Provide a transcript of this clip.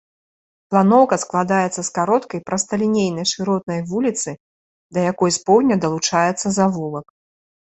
Планоўка складаецца з кароткай прасталінейнай шыротнай вуліцы, да якой з поўдня далучаецца завулак.